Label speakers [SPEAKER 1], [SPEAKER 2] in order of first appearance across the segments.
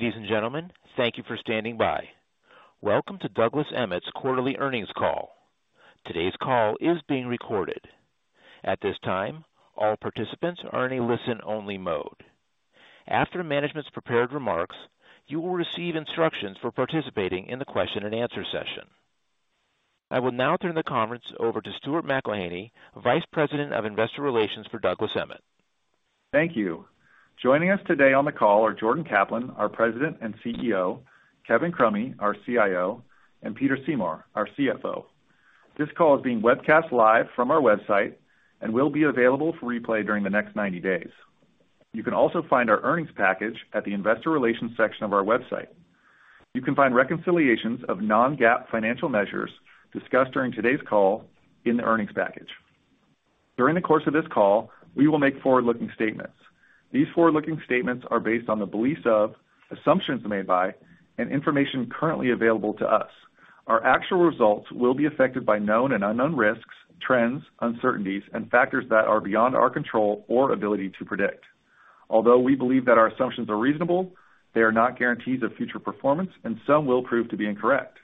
[SPEAKER 1] Ladies and gentlemen, thank you for standing by. Welcome to Douglas Emmett's quarterly earnings call. Today's call is being recorded. At this time, all participants are in a listen-only mode. After management's prepared remarks, you will receive instructions for participating in the question and answer session. I will now turn the conference over to Stuart McElhinney, VP of Investor Relations for Douglas Emmett.
[SPEAKER 2] Thank you. Joining us today on the call are Jordan Kaplan, our President and CEO, Kevin Crummy, our CIO, and Peter Seymour, our CFO. This call is being webcast live from our website and will be available for replay during the next 90 days. You can also find our earnings package at the investor relations section of our website. You can find reconciliations of non-GAAP financial measures discussed during today's call in the earnings package. During the course of this call, we will make forward-looking statements. These forward-looking statements are based on the beliefs of, assumptions made by, and information currently available to us. Our actual results will be affected by known and unknown risks, trends, uncertainties, and factors that are beyond our control or ability to predict. Although we believe that our assumptions are reasonable, they are not guarantees of future performance, and some will prove to be incorrect.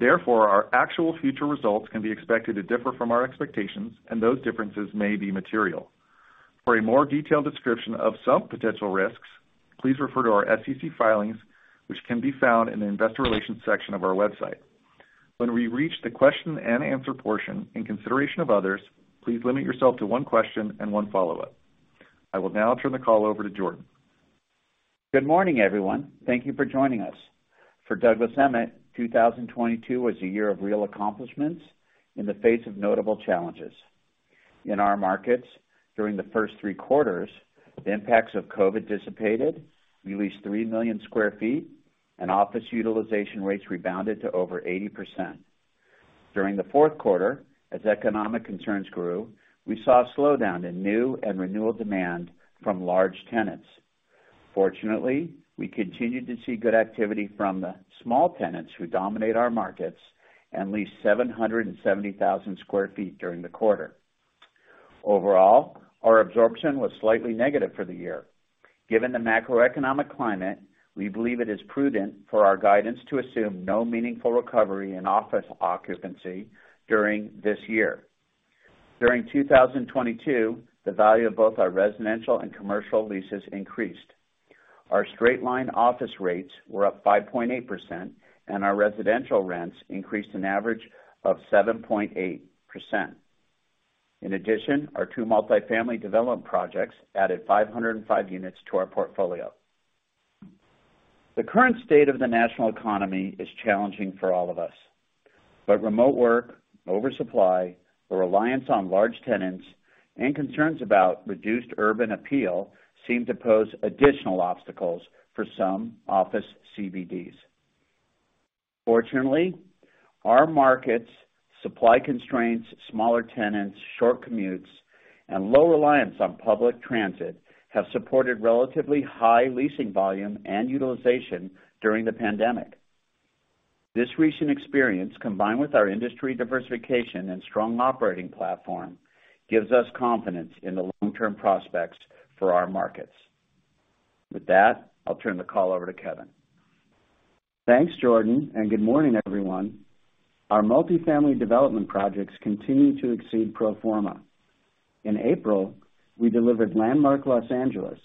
[SPEAKER 2] Therefore, our actual future results can be expected to differ from our expectations, and those differences may be material. For a more detailed description of some potential risks, please refer to our SEC filings, which can be found in the investor relations section of our website. When we reach the question and answer portion, in consideration of others, please limit yourself to one question and one follow-up. I will now turn the call over to Jordan.
[SPEAKER 3] Good morning, everyone. Thank you for joining us. For Douglas Emmett, 2022 was a year of real accomplishments in the face of notable challenges. In our markets, during the first three quarters, the impacts of COVID dissipated. We leased 3 million sq ft, and office utilization rates rebounded to over 80%. During the fourth quarter, as economic concerns grew, we saw a slowdown in new and renewal demand from large tenants. Fortunately, we continued to see good activity from the small tenants who dominate our markets and leased 770,000 sq ft during the quarter. Overall, our absorption was slightly negative for the year. Given the macroeconomic climate, we believe it is prudent for our guidance to assume no meaningful recovery in office occupancy during this year. During 2022, the value of both our residential and commercial leases increased. Our straight-line office rates were up 5.8%, and our residential rents increased an average of 7.8%. In addition, our two multifamily development projects added 505 units to our portfolio. Remote work, oversupply, the reliance on large tenants, and concerns about reduced urban appeal seem to pose additional obstacles for some office CBDs. Fortunately, our markets, supply constraints, smaller tenants, short commutes, and low reliance on public transit have supported relatively high leasing volume and utilization during the pandemic. This recent experience, combined with our industry diversification and strong operating platform, gives us confidence in the long-term prospects for our markets. With that, I'll turn the call over to Kevin.
[SPEAKER 4] Thanks, Jordan, and good morning, everyone. Our multifamily development projects continue to exceed pro forma. In April, we delivered The Landmark Los Angeles,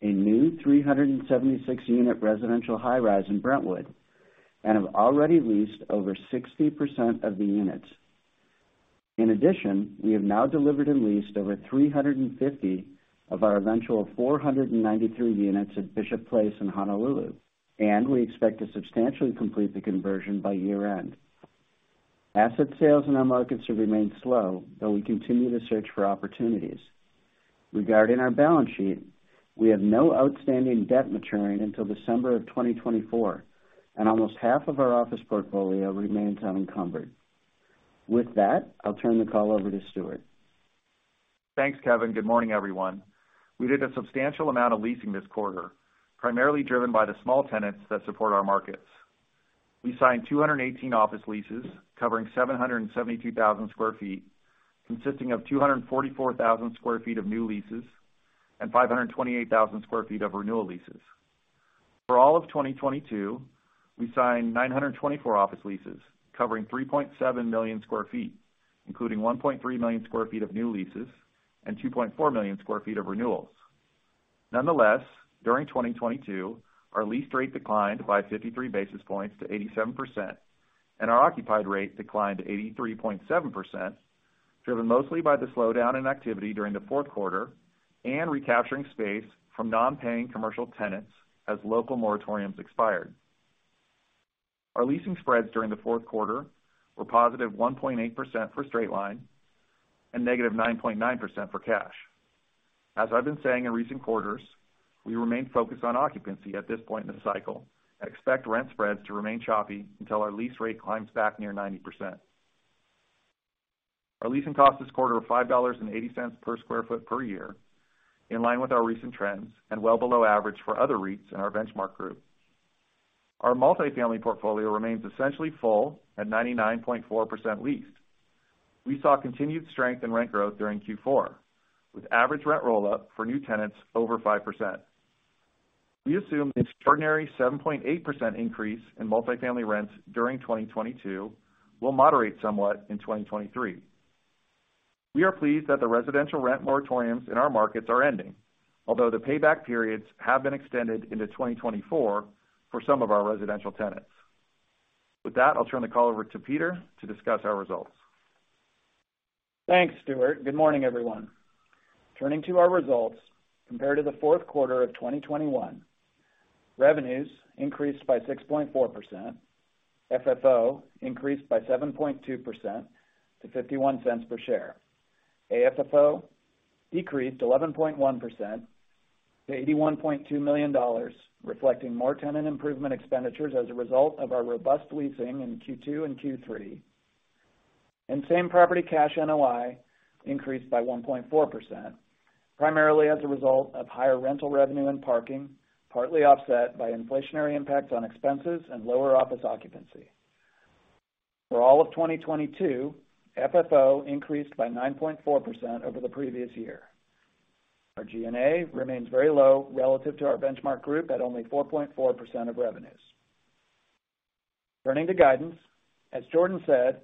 [SPEAKER 4] a new 376 unit residential high-rise in Brentwood, and have already leased over 60% of the units. In addition, we have now delivered and leased over 350 of our eventual 493 units at Bishop Place in Honolulu, and we expect to substantially complete the conversion by year-end. Asset sales in our markets have remained slow, though we continue to search for opportunities. Regarding our balance sheet, we have no outstanding debt maturing until December of 2024, and almost half of our office portfolio remains unencumbered. With that, I'll turn the call over to Stuart.
[SPEAKER 2] Thanks, Kevin. Good morning, everyone. We did a substantial amount of leasing this quarter, primarily driven by the small tenants that support our markets. We signed 218 office leases covering 772,000 sq ft, consisting of 244,000 sq ft of new leases and 528,000 sq ft of renewal leases. For all of 2022, we signed 924 office leases covering 3.7 million sq ft, including 1.3 million sq ft of new leases and 2.4 million sq ft of renewals. During 2022, our lease rate declined by 53 basis points to 87%, and our occupied rate declined to 83.7%, driven mostly by the slowdown in activity during the fourth quarter and recapturing space from non-paying commercial tenants as local moratoriums expired. Our leasing spreads during the fourth quarter were positive 1.8% for straight line and negative 9.9% for cash. As I've been saying in recent quarters, we remain focused on occupancy at this point in the cycle and expect rent spreads to remain choppy until our lease rate climbs back near 90%. Our leasing costs this quarter were $5.80 per sq ft per year, in line with our recent trends and well below average for other REITs in our benchmark group. Our multifamily portfolio remains essentially full at 99.4% leased. We saw continued strength in rent growth during Q4, with average rent roll-up for new tenants over 5%. We assume the extraordinary 7.8% increase in multifamily rents during 2022 will moderate somewhat in 2023. We are pleased that the residential rent moratoriums in our markets are ending, although the payback periods have been extended into 2024 for some of our residential tenants. With that, I'll turn the call over to Peter to discuss our results.
[SPEAKER 5] Thanks, Stuart. Good morning, everyone. Turning to our results, compared to the fourth quarter of 2021, revenues increased by 6.4%, FFO increased by 7.2% to $0.51 per share. AFFO decreased 11.1% to $81.2 million, reflecting more tenant improvement expenditures as a result of our robust leasing in Q2 and Q3. Same property cash NOI increased by 1.4%, primarily as a result of higher rental revenue and parking, partly offset by inflationary impacts on expenses and lower office occupancy. For all of 2022, FFO increased by 9.4% over the previous year. Our G&A remains very low relative to our benchmark group at only 4.4% of revenues. Turning to guidance, as Jordan said,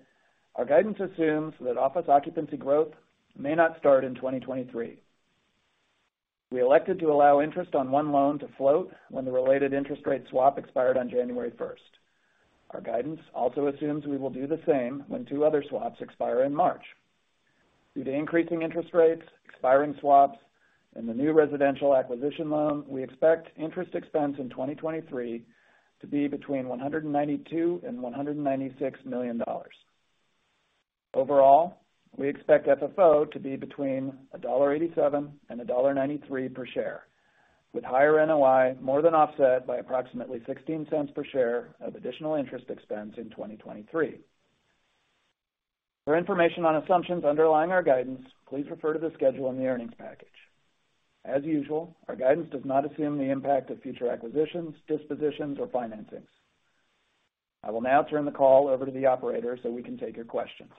[SPEAKER 5] our guidance assumes that office occupancy growth may not start in 2023. We elected to allow interest on one loan to float when the related interest rate swap expired on January first. Our guidance also assumes we will do the same when two other swaps expire in March. Due to increasing interest rates, expiring swaps, and the new residential acquisition loan, we expect interest expense in 2023 to be between $192 million and $196 million. Overall, we expect FFO to be between $1.87 and $1.93 per share, with higher NOI more than offset by approximately $0.16 per share of additional interest expense in 2023. For information on assumptions underlying our guidance, please refer to the schedule in the earnings package. As usual, our guidance does not assume the impact of future acquisitions, dispositions, or financings. I will now turn the call over to the operator so we can take your questions.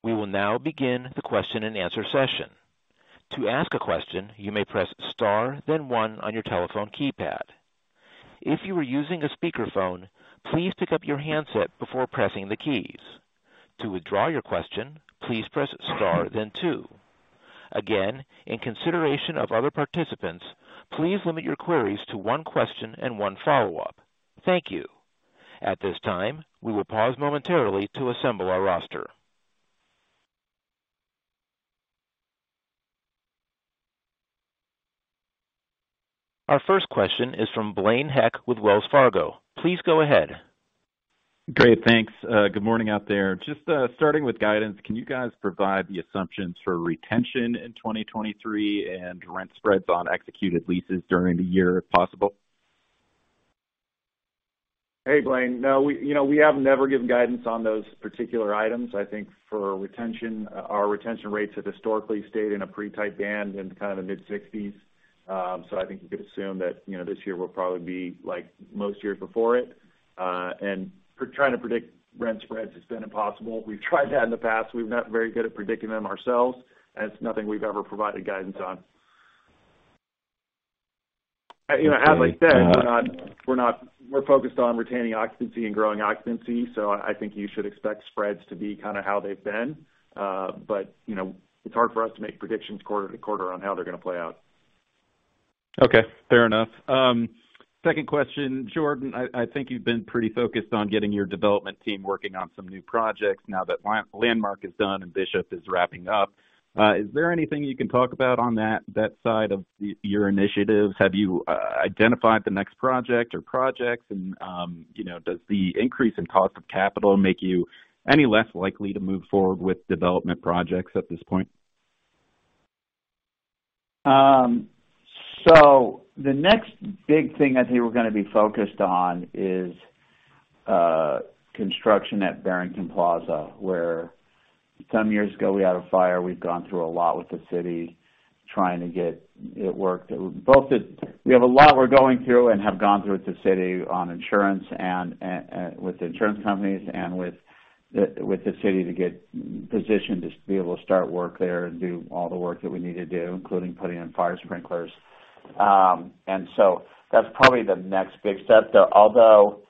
[SPEAKER 1] We will now begin the question-and-answer session. To ask a question, you may press star then one on your telephone keypad. If you are using a speakerphone, please pick up your handset before pressing the keys. To withdraw your question, please press star then two. Again, in consideration of other participants, please limit your queries to one question and one follow-up. Thank you. At this time, we will pause momentarily to assemble our roster. Our first question is from Blaine Heck with Wells Fargo. Please go ahead.
[SPEAKER 6] Great. Thanks. Good morning out there. Just starting with guidance, can you guys provide the assumptions for retention in 2023 and rent spreads on executed leases during the year, if possible?
[SPEAKER 2] Hey, Blaine. We, you know, we have never given guidance on those particular items. I think for retention, our retention rates have historically stayed in a pretty tight band in kind of the mid-sixties. I think you could assume that, you know, this year will probably be like most years before it. For trying to predict rent spreads, it's been impossible. We've tried that in the past. We're not very good at predicting them ourselves. It's nothing we've ever provided guidance on. You know, as I said, we're focused on retaining occupancy and growing occupancy. I think you should expect spreads to be kind of how they've been. You know, it's hard for us to make predictions quarter to quarter on how they're gonna play out.
[SPEAKER 6] Okay, fair enough. Second question. Jordan, I think you've been pretty focused on getting your development team working on some new projects now that Landmark is done and Bishop is wrapping up. Is there anything you can talk about on that side of your initiatives? Have you identified the next project or projects? You know, does the increase in cost of capital make you any less likely to move forward with development projects at this point?
[SPEAKER 3] The next big thing I think we're gonna be focused on is construction at Barrington Plaza, where some years ago we had a fire. We've gone through a lot with the city trying to get it worked. We have a lot we're going through and have gone through with the city on insurance and with the insurance companies and with the city to get positioned to be able to start work there and do all the work that we need to do, including putting in fire sprinklers. That's probably the next big step, though although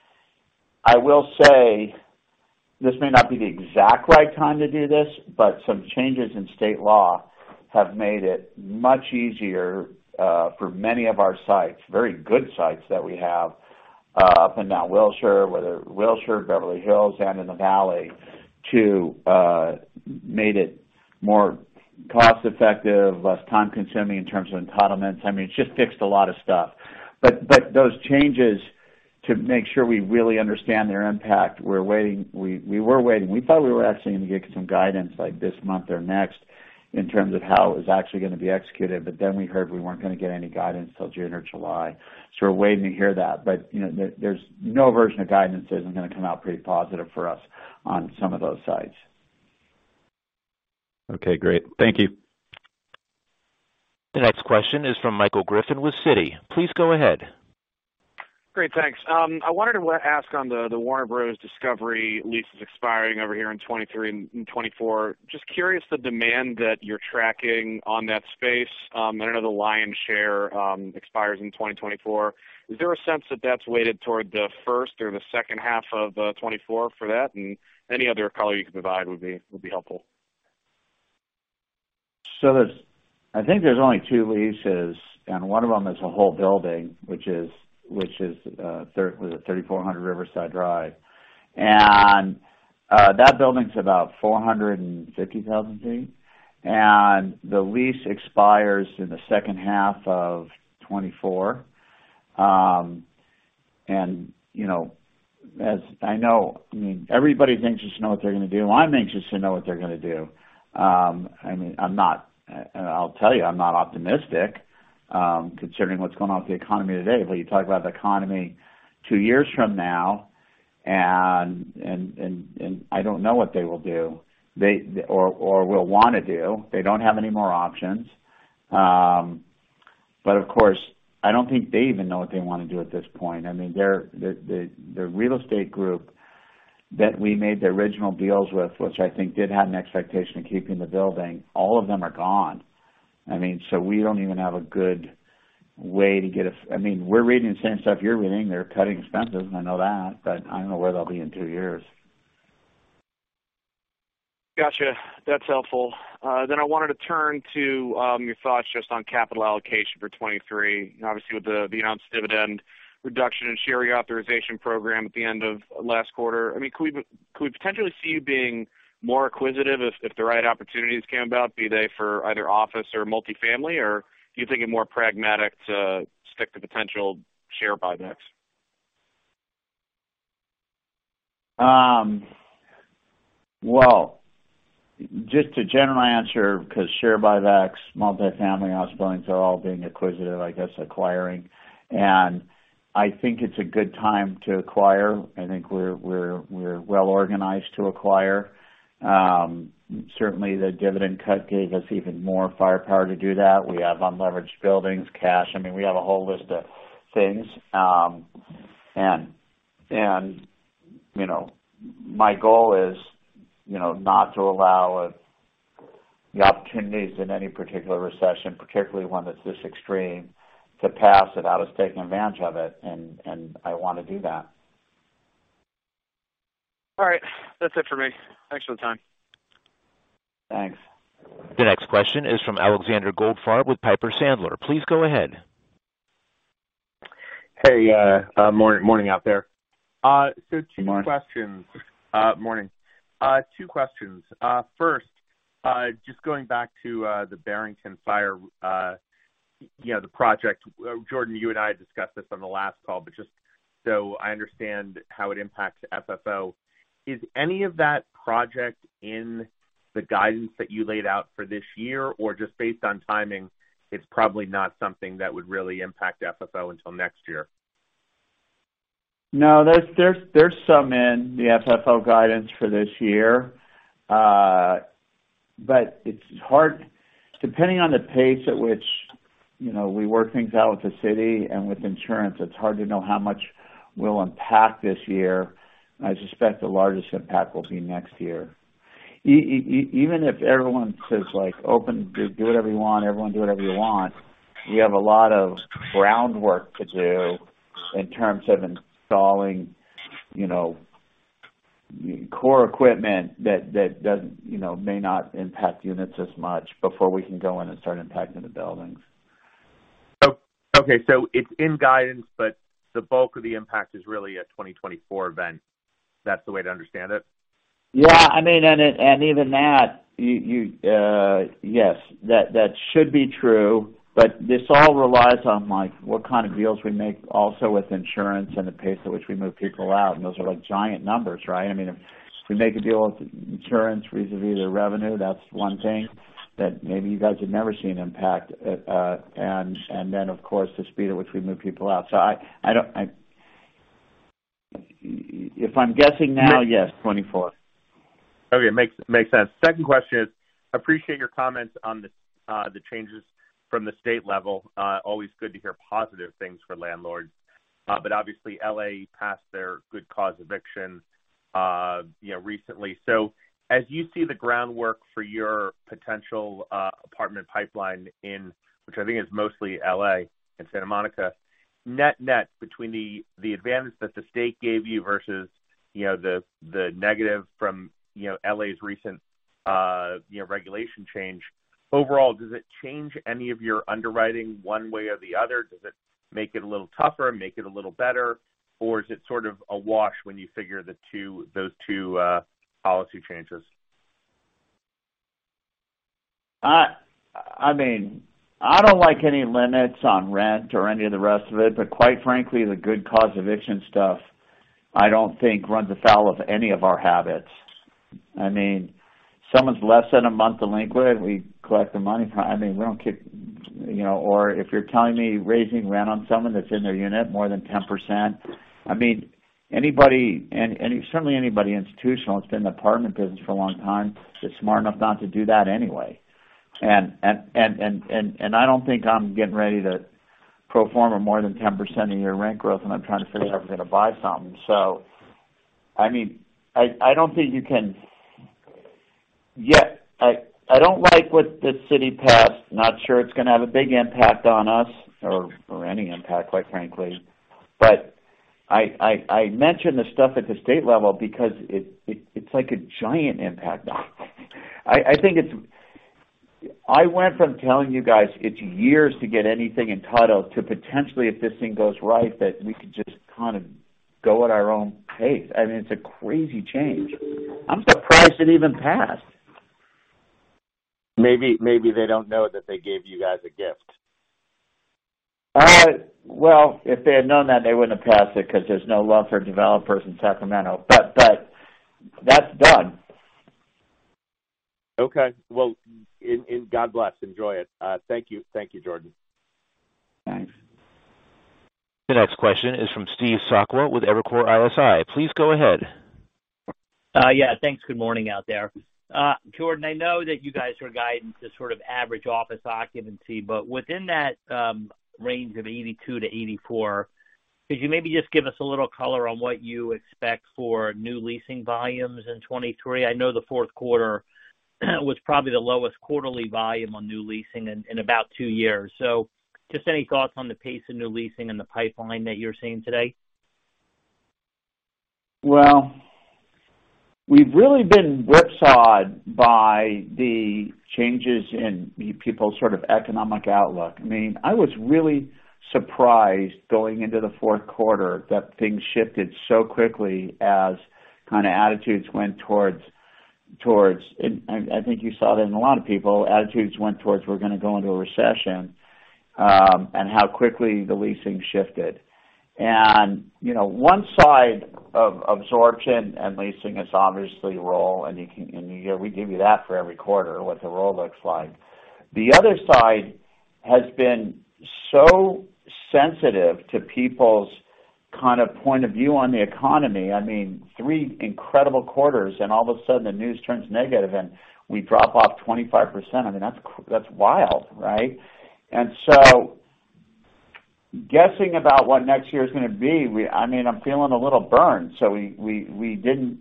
[SPEAKER 3] I will say this may not be the exact right time to do this, some changes in state law have made it much easier for many of our sites, very good sites that we have up in Mid-Wilshire, whether Wilshire, Beverly Hills, and in the Valley, to made it more cost-effective, less time-consuming in terms of entitlements. I mean, it's just fixed a lot of stuff. Those changes, to make sure we really understand their impact, we were waiting. We thought we were actually gonna get some guidance, like, this month or next in terms of how it was actually gonna be executed, we heard we weren't gonna get any guidance till June or July. We're waiting to hear that. you know, there's no version of guidance that isn't gonna come out pretty positive for us on some of those sites.
[SPEAKER 6] Okay, great. Thank you.
[SPEAKER 1] The next question is from Michael Griffin with Citi. Please go ahead.
[SPEAKER 7] Great. Thanks. I wanted to ask on the Warner Bros. Discovery leases expiring over here in 2023 and 2024. Just curious, the demand that you're tracking on that space, and I know the lion's share expires in 2024. Is there a sense that that's weighted toward the first or the second half of 2024 for that? Any other color you could provide would be helpful.
[SPEAKER 3] I think there's only two leases, and one of them is a whole building, which is the Thirty-Four Hundred Riverside Drive. That building's about 450,000 sq ft, and the lease expires in the second half of 2024. You know, as I know, I mean, everybody's anxious to know what they're gonna do, and I'm anxious to know what they're gonna do. I mean, I'm not, I'll tell you, I'm not optimistic, considering what's going on with the economy today. You talk about the economy two years from now, and I don't know what they will do. Or will wanna do. They don't have any more options. Of course, I don't think they even know what they wanna do at this point. I mean, their, the real estate group that we made the original deals with, which I think did have an expectation of keeping the building, all of them are gone. I mean, so we don't even have a good way to get I mean, we're reading the same stuff you're reading. They're cutting expenses, I know that, but I don't know where they'll be in two years.
[SPEAKER 7] Gotcha. That's helpful. I wanted to turn to your thoughts just on capital allocation for 2023. Obviously, with the announced dividend reduction and share reauthorization program at the end of last quarter. I mean, could we potentially see you being more acquisitive if the right opportunities came about, be they for either office or multi-family? Or do you think it more pragmatic to stick to potential share buybacks?
[SPEAKER 3] Well, just a general answer, 'cause share buybacks, multi-family, office buildings are all being acquisitive, I guess, acquiring. I think it's a good time to acquire. I think we're well organized to acquire. Certainly, the dividend cut gave us even more firepower to do that. We have unleveraged buildings, cash. I mean, we have a whole list of things. You know, my goal is, you know, not to allow the opportunities in any particular recession, particularly one that's this extreme, to pass without us taking advantage of it. I wanna do that.
[SPEAKER 7] All right. That's it for me. Thanks for the time.
[SPEAKER 3] Thanks.
[SPEAKER 1] The next question is from Alexander Goldfarb with Piper Sandler. Please go ahead.
[SPEAKER 8] Hey, morning out there.
[SPEAKER 3] Morning.
[SPEAKER 8] Two questions. Morning. Two questions. First, just going back to the Barrington Fire, you know, the project. Jordan, you and I discussed this on the last call, just so I understand how it impacts FFO. Is any of that project in the guidance that you laid out for this year, or just based on timing, it's probably not something that would really impact FFO until next year?
[SPEAKER 3] No, there's some in the FFO guidance for this year. It's hard. Depending on the pace at which, you know, we work things out with the city and with insurance, it's hard to know how much will impact this year. I suspect the largest impact will be next year. Even if everyone says, like, open, do whatever you want, everyone do whatever you want, we have a lot of groundwork to do in terms of installing, you know, core equipment that doesn't, you know, may not impact units as much before we can go in and start impacting the buildings.
[SPEAKER 8] Okay. It's in guidance, but the bulk of the impact is really a 2024 event. That's the way to understand it?
[SPEAKER 3] Yeah, I mean, even that, you, yes, that should be true, but this all relies on, like, what kind of deals we make also with insurance and the pace at which we move people out. Those are, like, giant numbers, right? I mean, if we make a deal with insurance vis-à-vis their revenue, that's one thing that maybe you guys would never see an impact. Then, of course, the speed at which we move people out. I don't... If I'm guessing now, yes, 2024.
[SPEAKER 8] Okay. Makes sense. Second question is, appreciate your comments on the changes from the state level. Always good to hear positive things for landlords. Obviously, L.A. passed their good cause eviction, you know, recently. As you see the groundwork for your potential apartment pipeline in, which I think is mostly L.A. and Santa Monica, net-net between the advantage that the state gave you versus, you know, the negative from, you know, L.A.'s recent, you know, regulation change. Overall, does it change any of your underwriting one way or the other? Does it make it a little tougher, make it a little better? Or is it sort of a wash when you figure those two, policy changes?
[SPEAKER 3] I mean, I don't like any limits on rent or any of the rest of it. Quite frankly, the good cause eviction stuff, I don't think runs afoul of any of our habits. I mean, someone's less than a month delinquent, we collect the money. I mean, we don't keep. You know? If you're telling me raising rent on someone that's in their unit more than 10%, I mean, anybody, and certainly anybody institutional that's been in the apartment business for a long time is smart enough not to do that anyway. I don't think I'm getting ready to pro forma more than 10% a year rent growth, and I'm trying to figure out if I'm gonna buy something. I mean, I don't think you can. Yeah, I don't like what the city passed. Not sure it's gonna have a big impact on us or any impact, quite frankly. I mention the stuff at the state level because it's like a giant impact now. I think it's. I went from telling you guys it's years to get anything entitled to potentially, if this thing goes right, that we could just kind of go at our own pace. I mean, it's a crazy change. I'm surprised it even passed.
[SPEAKER 5] Maybe they don't know that they gave you guys a gift.
[SPEAKER 3] Well, if they had known that, they wouldn't have passed it, 'cause there's no love for developers in Sacramento. That's done.
[SPEAKER 8] Okay. Well, and God bless. Enjoy it. Thank you. Thank you, Jordan.
[SPEAKER 3] Thanks.
[SPEAKER 1] The next question is from Steve Sakwa with Evercore ISI. Please go ahead.
[SPEAKER 9] Yeah. Thanks. Good morning out there. Jordan, I know that you guys are guiding to sort of average office occupancy, but within that range of 82-84, could you maybe just give us a little color on what you expect for new leasing volumes in 2023? I know the Q4 was probably the lowest quarterly volume on new leasing in about two years. Just any thoughts on the pace of new leasing and the pipeline that you're seeing today?
[SPEAKER 3] Well, we've really been whipsawed by the changes in people's sort of economic outlook. I mean, I was really surprised going into the fourth quarter that things shifted so quickly as kind of attitudes went towards. I think you saw that in a lot of people, attitudes went towards, we're gonna go into a recession, and how quickly the leasing shifted. You know, one side of absorption and leasing is obviously roll, and you know, we give you that for every quarter, what the roll looks like. The other side has been so sensitive to people's kind of point of view on the economy. I mean, three incredible quarters, and all of a sudden the news turns negative, and we drop off 25%. I mean, that's wild, right? Guessing about what next year's gonna be, we. I mean, I'm feeling a little burned. We didn't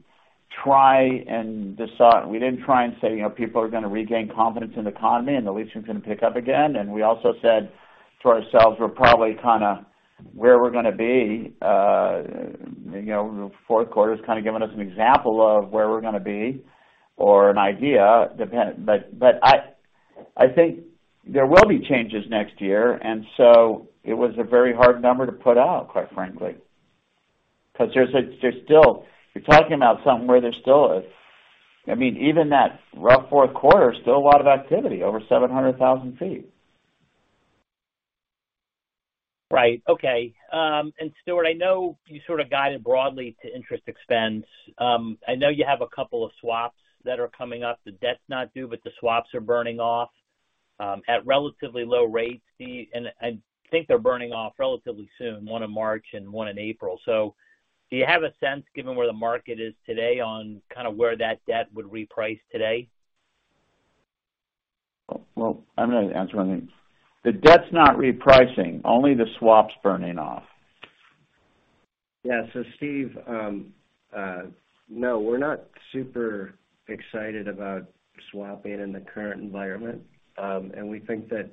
[SPEAKER 3] try and say, you know, people are gonna regain confidence in the economy and the leasing's gonna pick up again. We also said to ourselves, we're probably kinda where we're gonna be. you know, the fourth quarter's kind of given us an example of where we're gonna be or an idea. I think there will be changes next year. It was a very hard number to put out, quite frankly. Because I mean, even that rough fourth quarter, still a lot of activity, over 700,000 feet.
[SPEAKER 9] Right. Okay. Stuart, I know you sort of guided broadly to interest expense. I know you have a couple of swaps that are coming up. The debt's not due, but the swaps are burning off, at relatively low rates. I think they're burning off relatively soon, one in March and one in April. Do you have a sense, given where the market is today, on kind of where that debt would reprice today?
[SPEAKER 3] Well, I'm gonna answer one of these. The debt's not repricing, only the swap's burning off.
[SPEAKER 4] Yeah. Steve, no, we're not super excited about swapping in the current environment. We think that,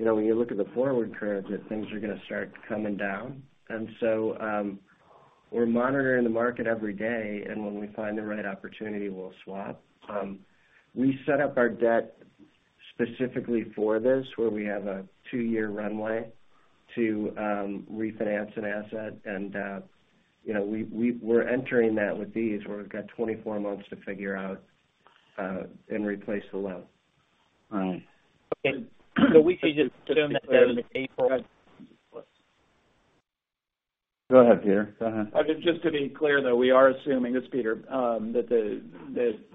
[SPEAKER 4] you know, when you look at the forward curve, that things are gonna start coming down. We're monitoring the market every day, and when we find the right opportunity, we'll swap. We set up our debt specifically for this, where we have a two-year runway to refinance an asset. You know, we're entering that with these, where we've got 24 months to figure out and replace the loan.
[SPEAKER 3] All right.
[SPEAKER 9] Okay. We could just assume that that is April.
[SPEAKER 3] Go ahead, Peter. Go ahead.
[SPEAKER 5] Just to be clear, though, we are assuming, this is Peter, that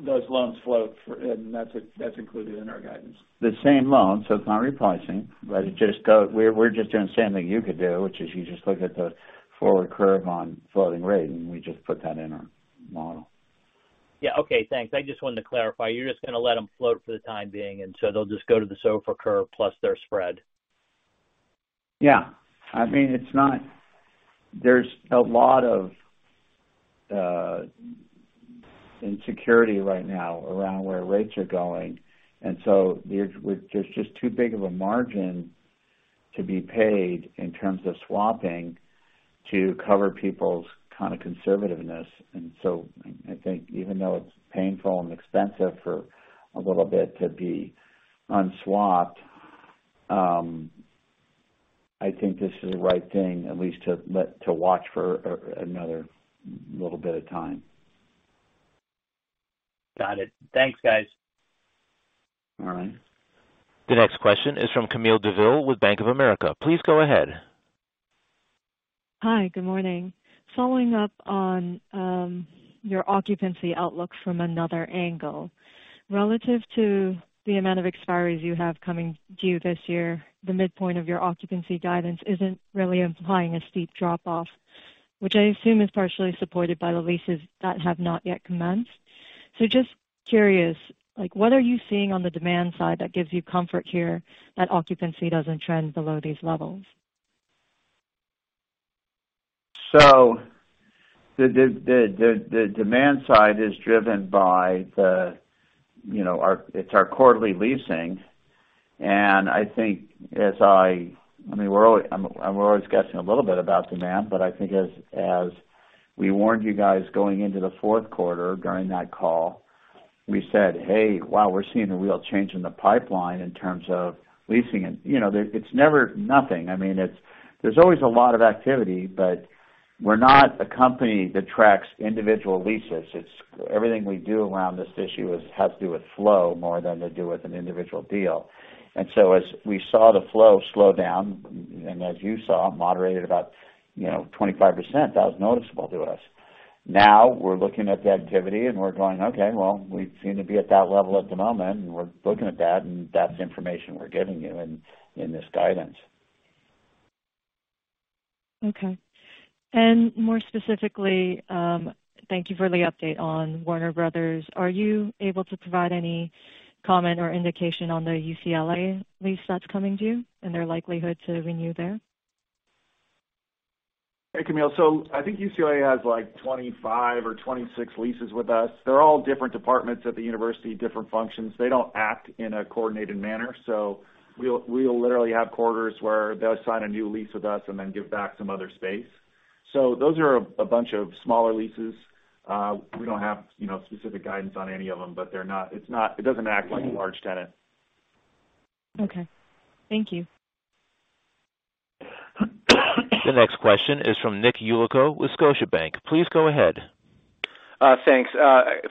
[SPEAKER 5] those loans float for, and that's included in our guidance.
[SPEAKER 3] The same loan, so it's not repricing. We're just doing the same thing you could do, which is you just look at the forward curve on floating rate. We just put that in our model.
[SPEAKER 9] Yeah. Okay. Thanks. I just wanted to clarify. You're just gonna let them float for the time being, and so they'll just go to the SOFR curve plus their spread.
[SPEAKER 3] Yeah. I mean, there's a lot of insecurity right now around where rates are going. There's just too big of a margin to be paid in terms of swapping to cover people's kind of conservativeness. I think even though it's painful and expensive for a little bit to be unswapped, I think this is the right thing at least to watch for another little bit of time.
[SPEAKER 9] Got it. Thanks, guys.
[SPEAKER 3] All right.
[SPEAKER 1] The next question is from Camille Bonnel with Bank of America. Please go ahead.
[SPEAKER 10] Hi. Good morning. Following up on your occupancy outlook from another angle. Relative to the amount of expiries you have coming due this year, the midpoint of your occupancy guidance isn't really implying a steep drop-off, which I assume is partially supported by the leases that have not yet commenced. Just curious, like, what are you seeing on the demand side that gives you comfort here that occupancy doesn't trend below these levels?
[SPEAKER 3] The demand side is driven by the, you know, it's our quarterly leasing. I think as I mean, we're always guessing a little bit about demand, but I think as we warned you guys going into the fourth quarter during that call, we said, "Hey, wow, we're seeing a real change in the pipeline in terms of leasing." You know, it's never nothing. I mean, there's always a lot of activity, but we're not a company that tracks individual leases. It's everything we do around this issue is, has to do with flow more than to do with an individual deal. As we saw the flow slow down, and as you saw, moderated about, you know, 25%, that was noticeable to us. Now we're looking at the activity, and we're going, "Okay, well, we seem to be at that level at the moment," and we're looking at that, and that's the information we're giving you in this guidance.
[SPEAKER 10] Okay. More specifically, thank you for the update on Warner Brothers. Are you able to provide any comment or indication on the UCLA lease that's coming due and their likelihood to renew there?
[SPEAKER 2] Hey, Camille. I think UCLA has, like, 25 or 26 leases with us. They're all different departments at the university, different functions. They don't act in a coordinated manner. We'll literally have quarters where they'll sign a new lease with us and then give back some other space. Those are a bunch of smaller leases. We don't have, you know, specific guidance on any of them, but they're not, it's not, it doesn't act like a large tenant.
[SPEAKER 10] Okay. Thank you.
[SPEAKER 1] The next question is from Nick Yulico with Scotiabank. Please go ahead.
[SPEAKER 11] Thanks.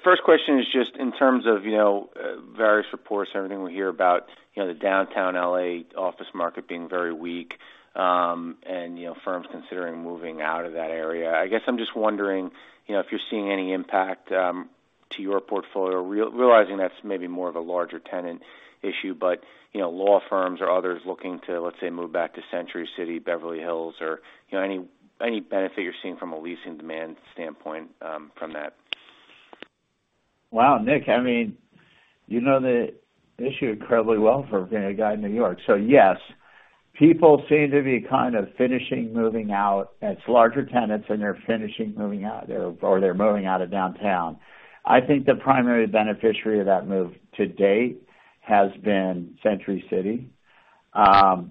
[SPEAKER 11] First question is just in terms of, you know, various reports, everything we hear about, you know, the downtown L.A. office market being very weak, and, you know, firms considering moving out of that area. I guess I'm just wondering, you know, if you're seeing any impact to your portfolio, realizing that's maybe more of a larger tenant issue, but, you know, law firms or others looking to, let's say, move back to Century City, Beverly Hills, or, you know, any benefit you're seeing from a leasing demand standpoint from that?
[SPEAKER 3] Wow, Nick, I mean, you know the issue incredibly well for being a guy in New York. Yes, people seem to be kind of finishing moving out. It's larger tenants, and they're finishing moving out or they're moving out of downtown. I think the primary beneficiary of that move to date has been Century City.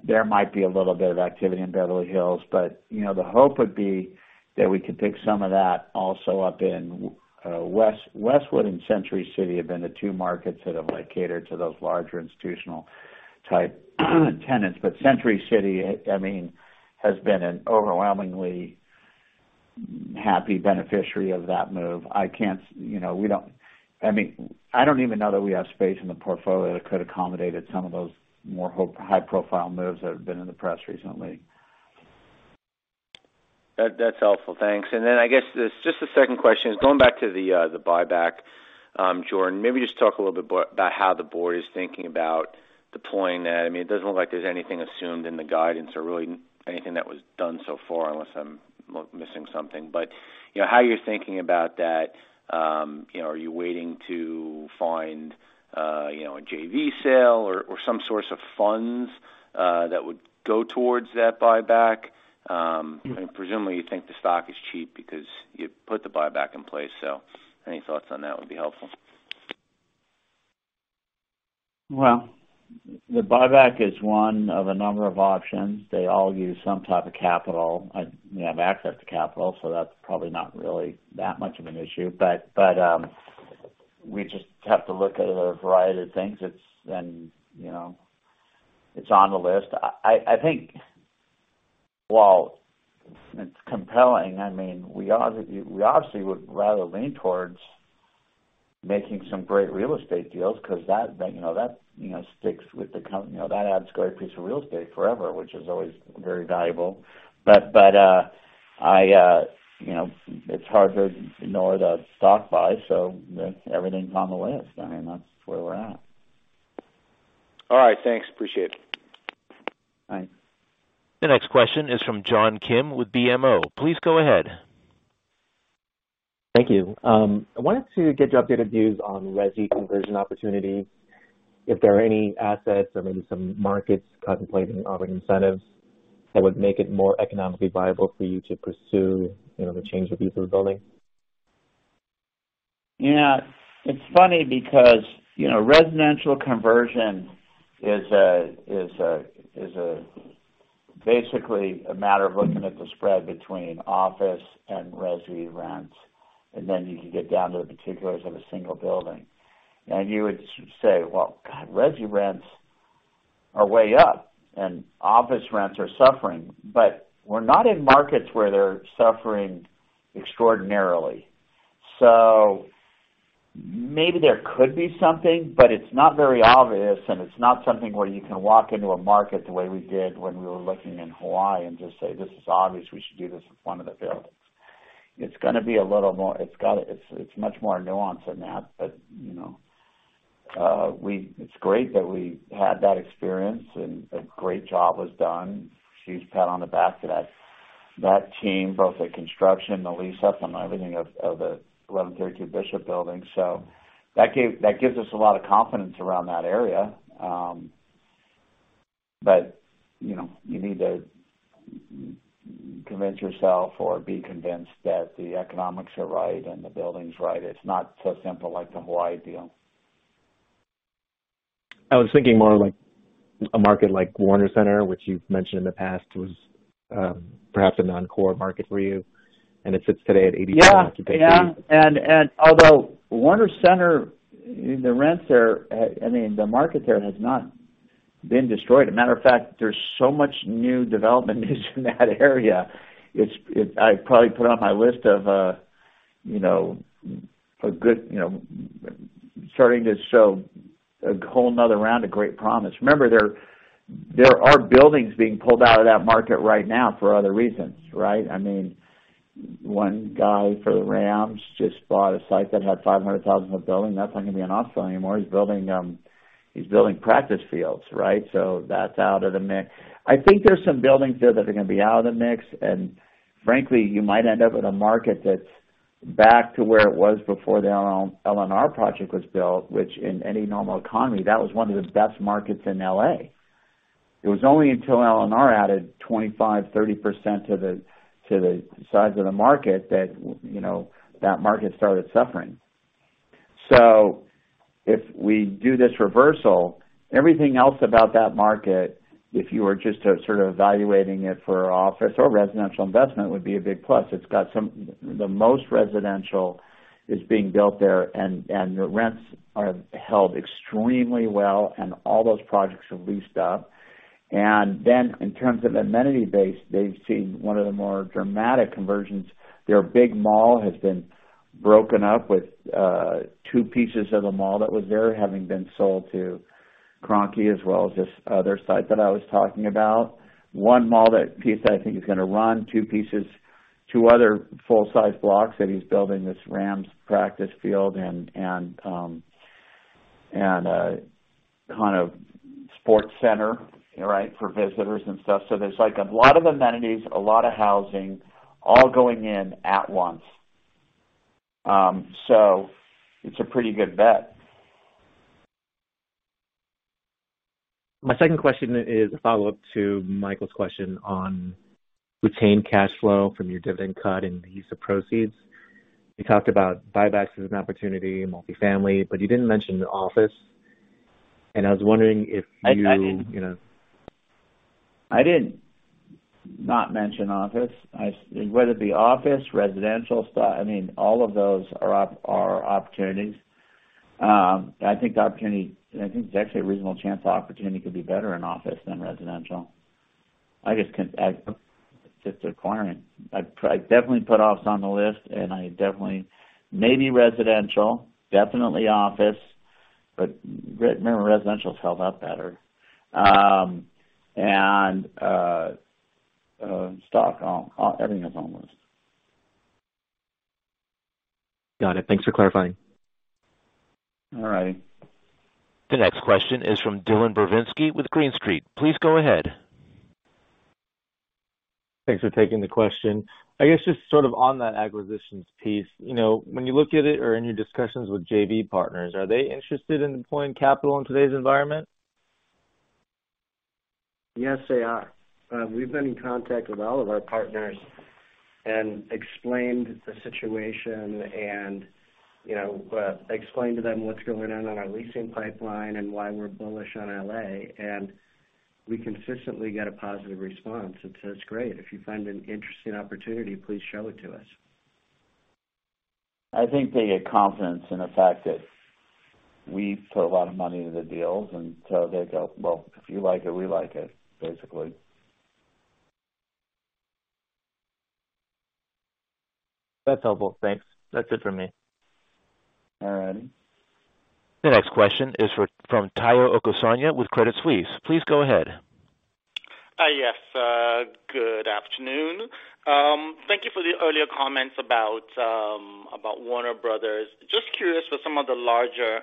[SPEAKER 3] There might be a little bit of activity in Beverly Hills, but, you know, the hope would be that we could take some of that also up in Westwood and Century City have been the two markets that have, like, catered to those larger institutional type tenants. Century City, I mean, has been an overwhelmingly happy beneficiary of that move. I can't, you know, we don't... I mean, I don't even know that we have space in the portfolio that could accommodate some of those more high-profile moves that have been in the press recently.
[SPEAKER 11] That's helpful. Thanks. Then I guess just the second question is going back to the buyback. Jordan, maybe just talk a little bit about how the board is thinking about deploying that. I mean, it doesn't look like there's anything assumed in the guidance or really anything that was done so far, unless I'm missing something. You know, how you're thinking about that, you know, are you waiting to find, you know, a JV sale or some source of funds that would go towards that buyback? Presumably you think the stock is cheap because you put the buyback in place, so any thoughts on that would be helpful.
[SPEAKER 3] Well, the buyback is one of a number of options. They all use some type of capital. I, you know, have access to capital, so that's probably not really that much of an issue. We just have to look at a variety of things. You know, it's on the list. I think while it's compelling, I mean, we obviously would rather lean towards making some great real estate deals because that, you know, that, you know, sticks with the you know, that adds great piece of real estate forever, which is always very valuable. I, you know, it's hard to ignore the stock buy. Everything's on the list. I mean, that's where we're at.
[SPEAKER 11] All right. Thanks. Appreciate it.
[SPEAKER 3] Bye.
[SPEAKER 1] The next question is from John Kim with BMO. Please go ahead.
[SPEAKER 12] Thank you. I wanted to get your updated views on resi conversion opportunities, if there are any assets or maybe some markets contemplating offering incentives that would make it more economically viable for you to pursue, you know, the change of use of a building.
[SPEAKER 3] Yeah. It's funny because, you know, residential conversion is a basically a matter of looking at the spread between office and resi rent, and then you can get down to the particulars of a single building. You would say, "Well, God, resi rents are way up, and office rents are suffering." We're not in markets where they're suffering extraordinarily. Maybe there could be something, but it's not very obvious, and it's not something where you can walk into a market the way we did when we were looking in Hawaii and just say, "This is obvious. We should do this with one of the buildings." It's gonna be a little more. It's much more nuanced than that, but, you know, it's great that we had that experience and a great job was done. Huge pat on the back to that team, both the construction, the lease up, and everything of the 1132 Bishop building. That gives us a lot of confidence around that area. You know, you need to convince yourself or be convinced that the economics are right and the building's right. It's not so simple like the Hawaii deal.
[SPEAKER 12] I was thinking more like a market like Warner Center, which you've mentioned in the past was, perhaps a non-core market for you, and it sits today at 89% occupancy.
[SPEAKER 3] Yeah. Yeah. And although Warner Center, the rents there, I mean, the market there has not been destroyed. A matter of fact, there's so much new development in that area. I probably put on my list of, you know, a good, you know, starting to show a whole another round of great promise. Remember, there are buildings being pulled out of that market right now for other reasons, right? I mean, one guy for the Rams just bought a site that had 500,000 of building. That's not gonna be an office anymore. He's building, he's building practice fields, right? That's out of the mix. I think there's some buildings there that are gonna be out of the mix, frankly, you might end up in a market that's back to where it was before the LNR project was built, which in any normal economy, that was one of the best markets in L.A. It was only until LNR added 25%, 30% to the, to the size of the market that, you know, that market started suffering. If we do this reversal, everything else about that market, if you were just, sort of evaluating it for office or residential investment, would be a big plus. The most residential is being built there, and the rents are held extremely well, and all those projects are leased up. Then, in terms of amenity base, they've seen one of the more dramatic conversions. Their big mall has been broken up with two pieces of the mall that was there, having been sold to Kroenke, as well as this other site that I was talking about. one mall, that piece I think, is gonna run two pieces, two other full-size blocks that he's building this Rams practice field and a kind of sports center, right? For visitors and stuff. There's like a lot of amenities, a lot of housing all going in at once. It's a pretty good bet.
[SPEAKER 12] My second question is a follow-up to Michael's question on retained cash flow from your dividend cut and the use of proceeds. You talked about buyback as an opportunity, multifamily, but you didn't mention office, and I was wondering if you-
[SPEAKER 3] I did.
[SPEAKER 12] You know.
[SPEAKER 3] I didn't not mention office. Whether it be office, residential, stock, I mean, all of those are opportunities. I think the opportunity, I think there's actually a reasonable chance the opportunity could be better in office than residential. I guess it's just a requirement. I definitely put office on the list. Maybe residential, definitely office, remember, residential's held up better. Stock, everything is on the list.
[SPEAKER 12] Got it. Thanks for clarifying.
[SPEAKER 3] All right.
[SPEAKER 1] The next question is from Dylan Burzinski with Green Street. Please go ahead.
[SPEAKER 13] Thanks for taking the question. I guess just sort of on that acquisitions piece, you know, when you look at it or in your discussions with JV partners, are they interested in deploying capital in today's environment?
[SPEAKER 2] Yes, they are. We've been in contact with all of our partners and explained the situation and, you know, explained to them what's going on on our leasing pipeline and why we're bullish on L.A., and we consistently get a positive response that says, "Great. If you find an interesting opportunity, please show it to us.
[SPEAKER 3] I think they get confidence in the fact that we put a lot of money into the deals, and so they go, "Well, if you like it, we like it," basically.
[SPEAKER 13] That's helpful. Thanks. That's it for me.
[SPEAKER 3] All right.
[SPEAKER 1] The next question is from Tayo Okusanya with Credit Suisse. Please go ahead.
[SPEAKER 14] Yes. Good afternoon. Thank you for the earlier comments about Warner Brothers. Just curious with some of the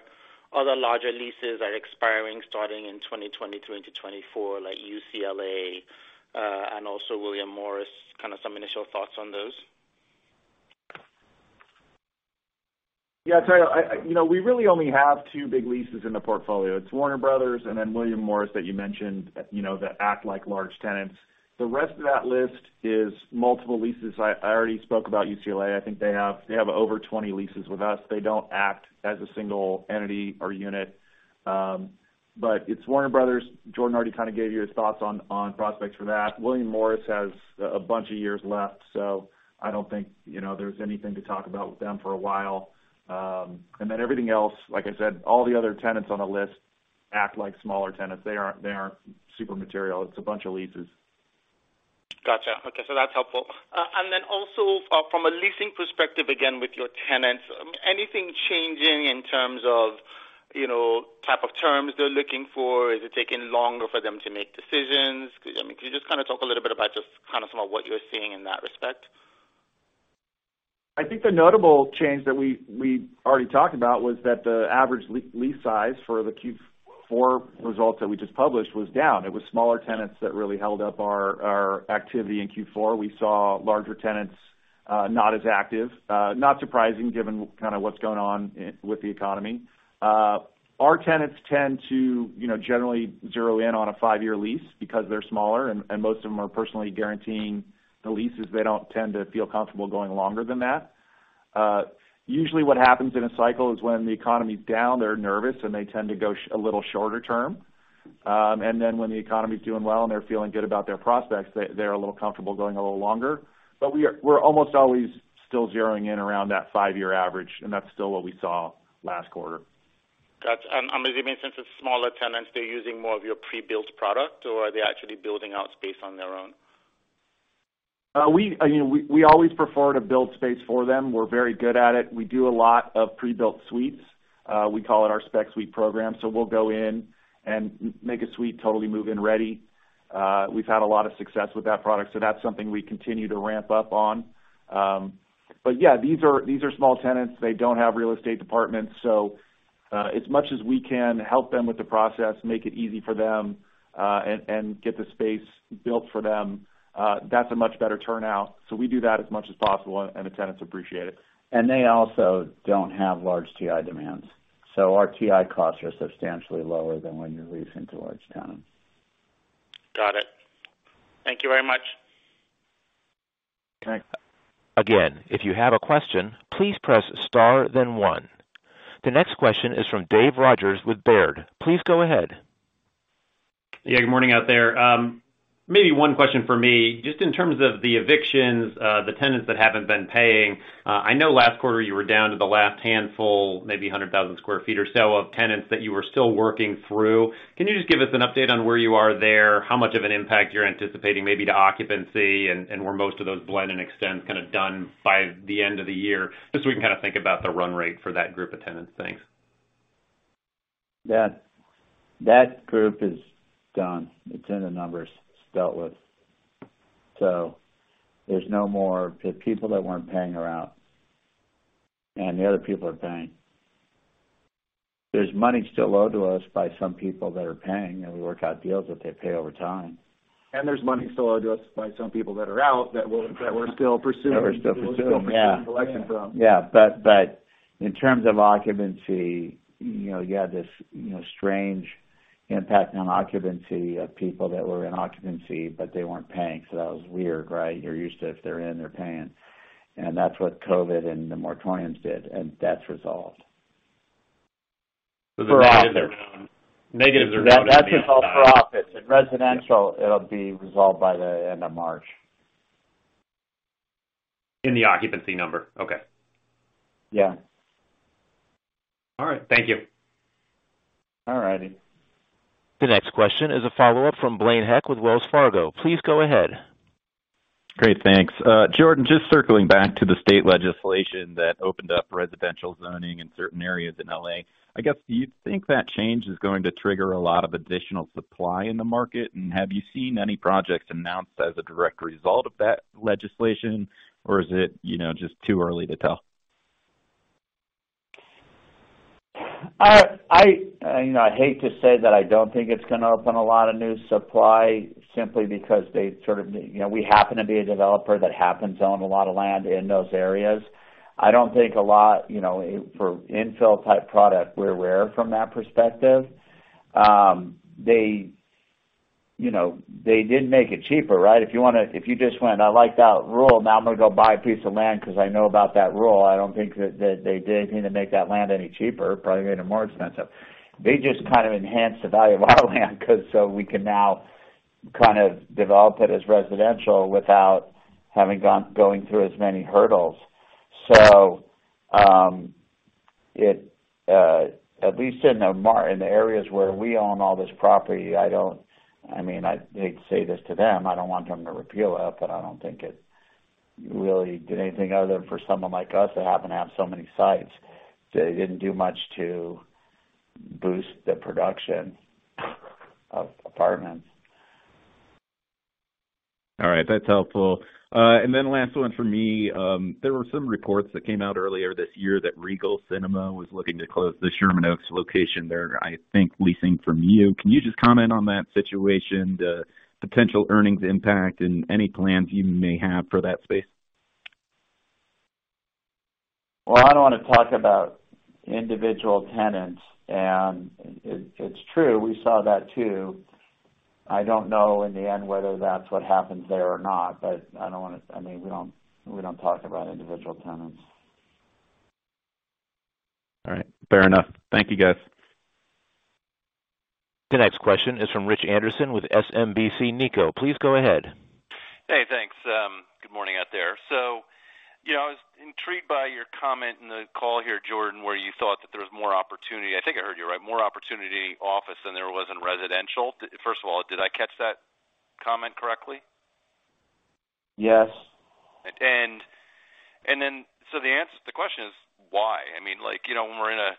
[SPEAKER 14] other larger leases that are expiring starting in 2023 into 2024, like UCLA, and also William Morris, kind of some initial thoughts on those?
[SPEAKER 2] Yeah, Tayo, I You know, we really only have two big leases in the portfolio. It's Warner Bros. and then William Morris that you mentioned, you know, that act like large tenants. The rest of that list is multiple leases. I already spoke about UCLA. I think they have over 20 leases with us. They don't act as a single entity or unit. It's Warner Bros. Jordan already kind of gave you his thoughts on prospects for that. William Morris has a bunch of years left, so I don't think, you know, there's anything to talk about with them for a while. Everything else, like I said, all the other tenants on the list act like smaller tenants. They aren't super material. It's a bunch of leases.
[SPEAKER 14] Gotcha. Okay. That's helpful. Also from a leasing perspective, again, with your tenants, anything changing in terms of. You know, type of terms they're looking for. Is it taking longer for them to make decisions? I mean, can you just kind of talk a little bit about just kind of some of what you're seeing in that respect?
[SPEAKER 2] I think the notable change that we already talked about was that the average lease size for the Q4 results that we just published was down. It was smaller tenants that really held up our activity in Q4. We saw larger tenants not as active. Not surprising given kind of what's going on with the economy. Our tenants tend to, you know, generally zero in on a five-year lease because they're smaller and most of them are personally guaranteeing the leases. They don't tend to feel comfortable going longer than that. Usually what happens in a cycle is when the economy's down, they're nervous, and they tend to go a little shorter term. And then when the economy's doing well and they're feeling good about their prospects, they're a little comfortable going a little longer. We're almost always still zeroing in around that five-year average, and that's still what we saw last quarter.
[SPEAKER 14] Got you. As you mentioned, since it's smaller tenants, they're using more of your pre-built product, or are they actually building out space on their own?
[SPEAKER 2] We, you know, we always prefer to build space for them. We're very good at it. We do a lot of pre-built suites. We call it our Spec Suite program. We'll go in and make a suite totally move-in ready. We've had a lot of success with that product, so that's something we continue to ramp up on. But yeah, these are small tenants. They don't have real estate departments. As much as we can help them with the process, make it easy for them, and get the space built for them, that's a much better turnout. We do that as much as possible, and the tenants appreciate it.
[SPEAKER 3] They also don't have large TI demands. Our TI costs are substantially lower than when you're leasing to large tenants.
[SPEAKER 15] Got it. Thank you very much.
[SPEAKER 3] Okay.
[SPEAKER 1] Again, if you have a question, please press star then one. The next question is from Dave Rodgers with Baird. Please go ahead.
[SPEAKER 16] Good morning out there. Maybe one question for me, just in terms of the evictions, the tenants that haven't been paying. I know last quarter you were down to the last handful, maybe 100,000 sq ft or so of tenants that you were still working through. Can you just give us an update on where you are there, how much of an impact you're anticipating maybe to occupancy, and were most of those blend and extends kind of done by the end of the year? Just so we can kind of think about the run rate for that group of tenants. Thanks.
[SPEAKER 3] That group is done. It's in the numbers. It's dealt with. There's no more... The people that weren't paying are out, the other people are paying. There's money still owed to us by some people that are paying, we work out deals that they pay over time.
[SPEAKER 2] There's money still owed to us by some people that are out that we're still pursuing.
[SPEAKER 3] That we're still pursuing, yeah.
[SPEAKER 2] That we're still pursuing collection from.
[SPEAKER 3] Yeah. But in terms of occupancy, you know, you had this, you know, strange impact on occupancy of people that were in occupancy, but they weren't paying. That was weird, right? You're used to if they're in, they're paying. That's what COVID and the moratoriums did, and that's resolved. For office.
[SPEAKER 16] The negatives are now in...
[SPEAKER 3] That's just all for office. In residential, it'll be resolved by the end of March.
[SPEAKER 16] In the occupancy number. Okay.
[SPEAKER 3] Yeah.
[SPEAKER 16] All right. Thank you.
[SPEAKER 3] All righty.
[SPEAKER 1] The next question is a follow-up from Blaine Heck with Wells Fargo. Please go ahead.
[SPEAKER 6] Great. Thanks. Jordan, just circling back to the state legislation that opened up residential zoning in certain areas in L.A. I guess, do you think that change is going to trigger a lot of additional supply in the market? Have you seen any projects announced as a direct result of that legislation? Is it, you know, just too early to tell?
[SPEAKER 3] I, you know, I hate to say that I don't think it's gonna open a lot of new supply simply because they sort of, you know, we happen to be a developer that happens to own a lot of land in those areas. I don't think a lot, you know, for infill-type product, we're rare from that perspective. They, you know, they did make it cheaper, right? If you just went, "I like that rule, now I'm gonna go buy a piece of land because I know about that rule." I don't think that they did anything to make that land any cheaper. Probably made it more expensive. They just kind of enhanced the value of our land because so we can now kind of develop it as residential without having going through as many hurdles. It, at least in the areas where we own all this property, I don't I mean, I'd say this to them, I don't want them to repeal it, but I don't think it really did anything other than for someone like us that happen to have so many sites. It didn't do much to boost the production of apartments.
[SPEAKER 6] All right. That's helpful. Last one for me. There were some reports that came out earlier this year that Regal Cinemas was looking to close the Sherman Oaks location. They're, I think, leasing from you. Can you just comment on that situation, the potential earnings impact and any plans you may have for that space?
[SPEAKER 3] Well, I don't wanna talk about individual tenants. It's true. We saw that too. I don't know in the end whether that's what happens there or not, but I don't wanna... I mean, we don't talk about individual tenants.
[SPEAKER 6] All right. Fair enough. Thank you, guys.
[SPEAKER 1] The next question is from Rich Anderson with SMBC Nikko. Please go ahead.
[SPEAKER 15] Hey. Thanks. Good morning out there. You know, I was intrigued by your comment in the call here, Jordan, where you thought that there was more opportunity. I think I heard you right, more opportunity office than there was in residential. First of all, did I catch that comment correctly?
[SPEAKER 3] Yes.
[SPEAKER 17] The question is why? I mean, like, you know, when we're in a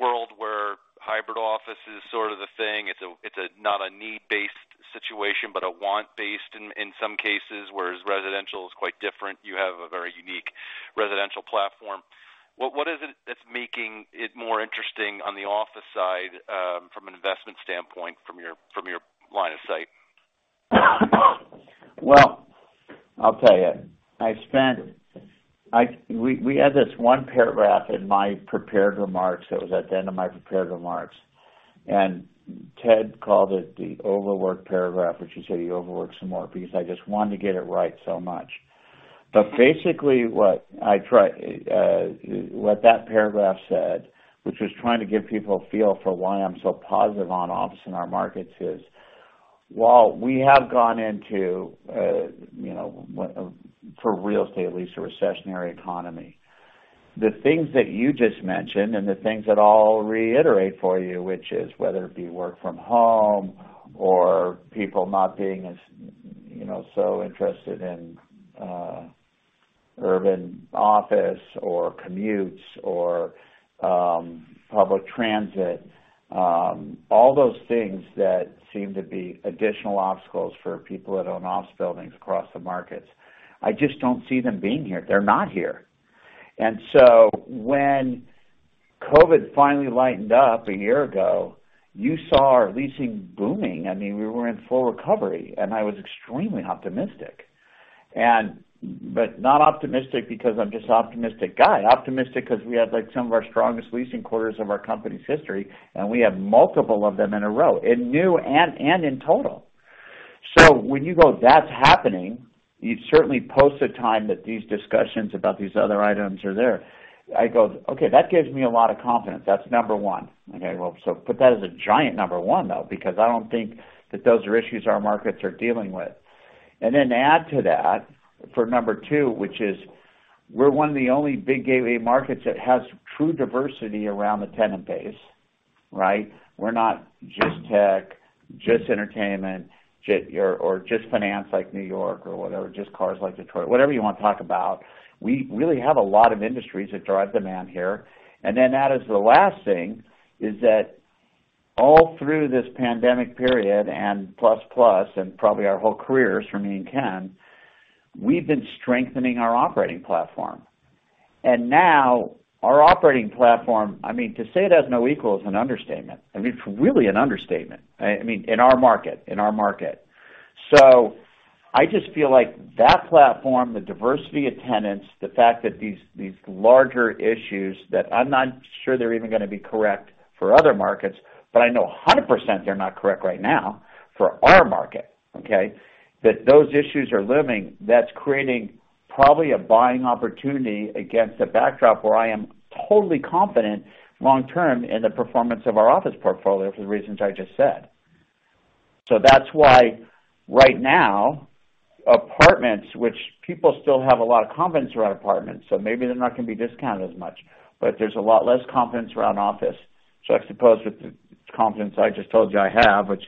[SPEAKER 17] world where hybrid office is sort of the thing, it's a not a need-based situation, but a want-based in some cases, whereas residential is quite different. You have a very unique residential platform. What is it that's making it more interesting on the office side, from an investment standpoint, from your line of sight?
[SPEAKER 3] Well, I'll tell you. We had this one paragraph in my prepared remarks. It was at the end of my prepared remarks. Ted called it the overworked paragraph, which he said he overworked some more because I just wanted to get it right so much. Basically, what that paragraph said, which was trying to give people a feel for why I'm so positive on office in our markets, is while we have gone into, you know, for real estate, at least, a recessionary economy. The things that you just mentioned and the things that I'll reiterate for you, which is whether it be work from home or people not being as, you know, so interested in urban office or commutes or public transit, all those things that seem to be additional obstacles for people that own office buildings across the markets. I just don't see them being here. They're not here. When COVID finally lightened up a year ago, you saw our leasing booming. I mean, we were in full recovery, and I was extremely optimistic. Not optimistic because I'm just an optimistic guy. Optimistic 'cause we had, like, some of our strongest leasing quarters of our company's history, and we have multiple of them in a row, in new and in total. When you go, "That's happening," you certainly post the time that these discussions about these other items are there. I go, "Okay, that gives me a lot of confidence." That's number one. Put that as a giant number one, though, because I don't think that those are issues our markets are dealing with. Add to that for number two, which is we're one of the only big AA markets that has true diversity around the tenant base, right? We're not just tech, just entertainment, or just finance like New York or whatever, just cars like Detroit. Whatever you wanna talk about, we really have a lot of industries that drive demand here. Then add as the last thing is that all through this pandemic period and plus plus and probably our whole careers for me and Ken, we've been strengthening our operating platform. Now our operating platform, I mean, to say it has no equal is an understatement. I mean, it's really an understatement. I mean, in our market, in our market. I just feel like that platform, the diversity of tenants, the fact that these larger issues that I'm not sure they're even gonna be correct for other markets, but I know 100% they're not correct right now for our market, okay? That those issues are living, that's creating probably a buying opportunity against a backdrop where I am totally confident long term in the performance of our office portfolio for the reasons I just said. That's why right now, apartments, which people still have a lot of confidence around apartments, maybe they're not gonna be discounted as much, but there's a lot less confidence around office. I suppose with the confidence I just told you I have, which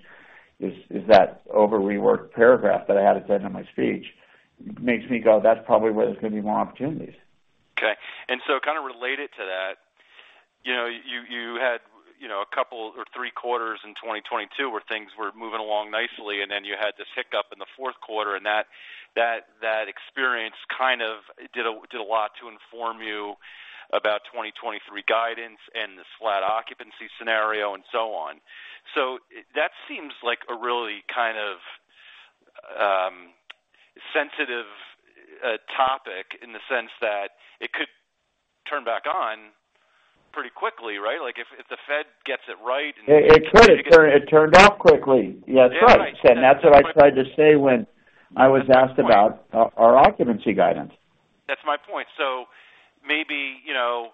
[SPEAKER 3] is that over reworked paragraph that I had at the end of my speech, makes me go, that's probably where there's gonna be more opportunities.
[SPEAKER 17] Okay. Kind of related to that, you know, you had, you know, a couple or three quarters in 2022 where things were moving along nicely, and then you had this hiccup in the 4th quarter, and that experience kind of did a lot to inform you about 2023 guidance and this flat occupancy scenario and so on. That seems like a really kind of sensitive topic in the sense that it could turn back on pretty quickly, right? Like, if the Fed gets it right and-
[SPEAKER 3] It could. It turned off quickly. That's right. That's what I tried to say when I was asked about our occupancy guidance.
[SPEAKER 17] That's my point. Maybe, you know,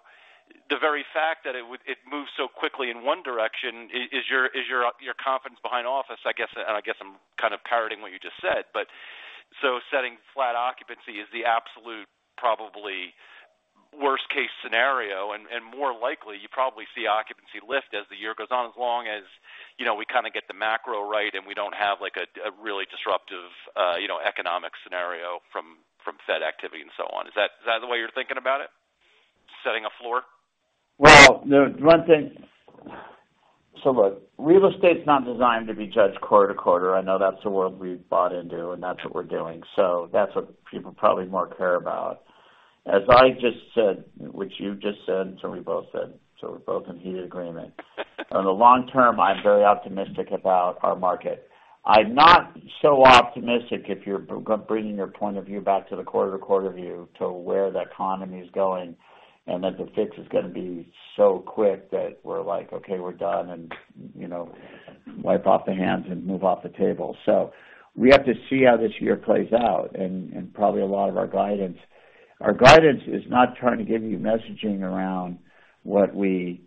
[SPEAKER 17] the very fact that it moves so quickly in one direction is your confidence behind office, I guess, and I guess I'm kind of parroting what you just said. Setting flat occupancy is the absolute probably worst case scenario. More likely, you probably see occupancy lift as the year goes on as long as, you know, we kind of get the macro right and we don't have a really disruptive, you know, economic scenario from Fed activity and so on. Is that the way you're thinking about it? Setting a floor?
[SPEAKER 3] Well, no, one thing. Look, real estate's not designed to be judged quarter-to-quarter. I know that's the world we've bought into, and that's what we're doing. That's what people probably more care about. As I just said, which you just said, so we both said, so we're both in heated agreement. On the long-term, I'm very optimistic about our market. I'm not so optimistic if you're bringing your point of view back to the quarter-to-quarter view to where the economy is going and that the fix is gonna be so quick that we're like, "Okay, we're done," and, you know, wipe off the hands and move off the table. We have to see how this year plays out and probably a lot of our guidance. Our guidance is not trying to give you messaging around what we,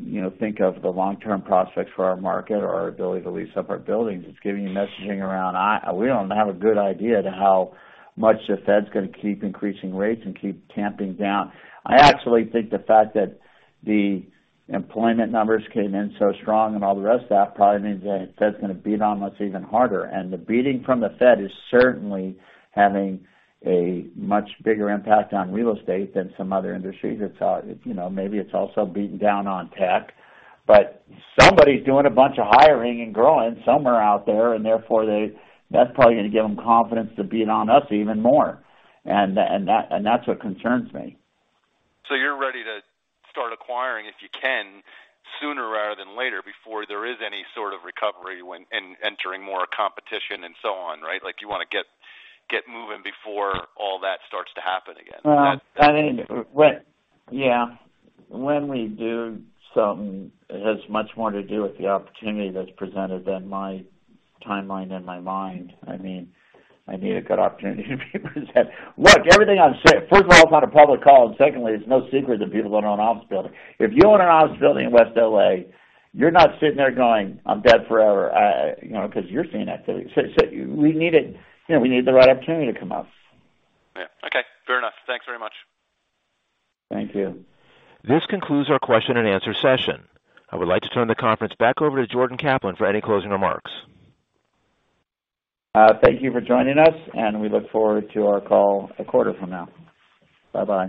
[SPEAKER 3] you know, think of the long-term prospects for our market or our ability to lease up our buildings. It's giving you messaging around We don't have a good idea to how much the Fed's gonna keep increasing rates and keep tamping down. I actually think the fact that the employment numbers came in so strong and all the rest of that probably means the Fed's gonna beat on us even harder. The beating from the Fed is certainly having a much bigger impact on real estate than some other industries. It's, you know, maybe it's also beating down on tech, but somebody's doing a bunch of hiring and growing somewhere out there and therefore that's probably gonna give them confidence to beat on us even more. That's what concerns me.
[SPEAKER 17] You're ready to start acquiring, if you can, sooner rather than later before there is any sort of recovery when entering more competition and so on, right? Like, you wanna get moving before all that starts to happen again.
[SPEAKER 3] Well, I mean, when we do something, it has much more to do with the opportunity that's presented than my timeline in my mind. I mean, I need a good opportunity to be presented. Look, everything I'm say first of all, it's on a public call, and secondly, it's no secret that people don't own office building. If you own an office building in West L.A., you're not sitting there going, "I'm dead forever." You know, 'cause you're seeing activity. We need it. You know, we need the right opportunity to come up.
[SPEAKER 17] Yeah. Okay, fair enough. Thanks very much.
[SPEAKER 3] Thank you.
[SPEAKER 1] This concludes our question and answer session. I would like to turn the conference back over to Jordan Kaplan for any closing remarks.
[SPEAKER 3] Thank you for joining us, and we look forward to our call a quarter from now. Bye-bye.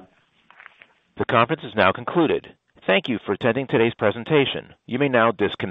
[SPEAKER 1] The conference is now concluded. Thank you for attending today's presentation. You may now disconnect.